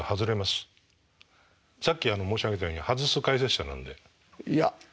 さっき申し上げたように外す解説者なんで。